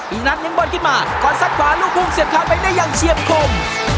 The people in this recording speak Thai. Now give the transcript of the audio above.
ปริยนัทยังบอลคิดมาก่อนสั้นขวาลูกภูมิเสียบขาดไปได้อย่างเชียบคม